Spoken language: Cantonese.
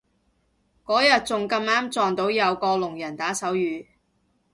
嗰日仲咁啱撞到有個聾人打手語